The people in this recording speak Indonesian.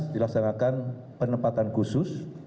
sebelas dilaksanakan penempatan khusus